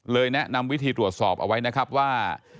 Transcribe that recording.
แนะนำวิธีตรวจสอบเอาไว้นะครับว่า